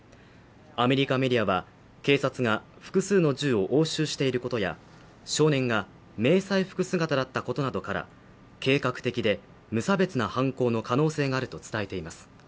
アメリカメディアは、警察が複数の銃を押収していることや、少年が迷彩服姿だったことなどから、計画的で無差別な犯行の可能性があると伝えています。